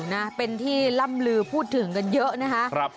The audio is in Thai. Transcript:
นะเป็นที่ล่ำลือพูดถึงกันเยอะนะคะ